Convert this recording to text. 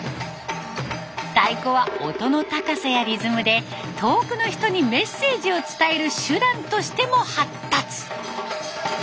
太鼓は音の高さやリズムで遠くの人にメッセージを伝える手段としても発達。